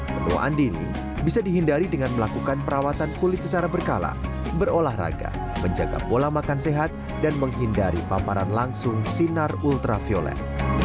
menua andini bisa dihindari dengan melakukan perawatan kulit secara berkala berolahraga menjaga pola makan sehat dan menghindari paparan langsung sinar ultraviolet